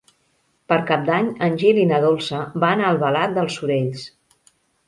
Per Cap d'Any en Gil i na Dolça van a Albalat dels Sorells.